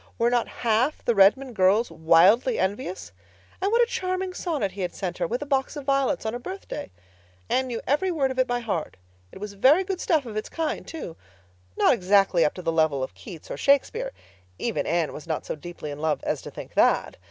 Were not half the Redmond girls wildly envious? And what a charming sonnet he had sent her, with a box of violets, on her birthday! Anne knew every word of it by heart. It was very good stuff of its kind, too. Not exactly up to the level of Keats or Shakespeare—even Anne was not so deeply in love as to think that.